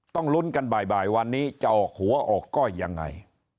ต้องลุ้นกันบ่ายวันนี้จะออกหัวออกก้อยยังไง